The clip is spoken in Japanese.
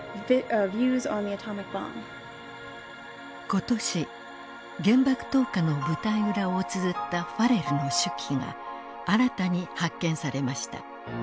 今年原爆投下の舞台裏をつづったファレルの手記が新たに発見されました。